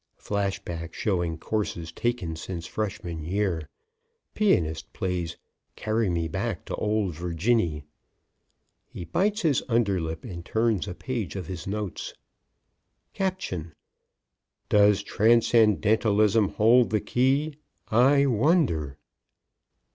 (Flash back showing courses taken since Freshman year. Pianist plays "Carry Me Back to Old Virginie.") He bites his under lip and turns a page of his notes. Caption: "DOES TRANSCENDENTALISM HOLD THE KEY?... I WONDER...."